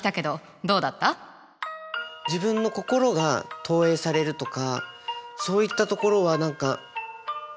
自分の心が投影されるとかそういったところは何かあっ